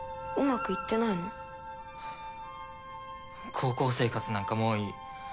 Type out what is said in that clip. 高校生活なんかもういい